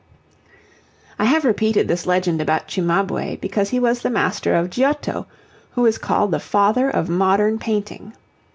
I have repeated this legend about Cimabue, because he was the master of Giotto, who is called the Father of Modern Painting.